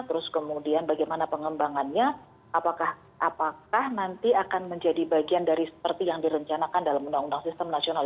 terus kemudian bagaimana pengembangannya apakah nanti akan menjadi bagian dari seperti yang direncanakan dalam undang undang sistem nasional